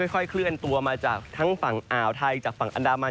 ค่อยเคลื่อนตัวมาจากทั้งฝั่งอ่าวไทยจากฝั่งอันดามัน